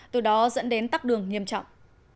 từ đó dẫn đến tắc đường nghiêm trọng